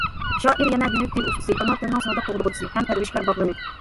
شائىر يەنە بۈيۈك تىل ئۇستىسى، ئانا تىلنىڭ سادىق قوغدىغۇچىسى ھەم پەرۋىشكار باغۋىنى.